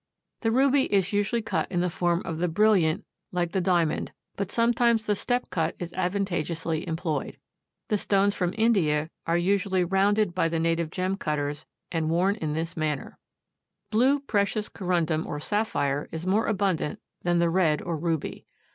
The ruby is usually cut in the form of the brilliant, like the diamond, but sometimes the step cut is advantageously employed. The stones from India are usually rounded by the native gem cutters and worn in this manner. Blue precious Corundum or sapphire is more abundant than the red or ruby.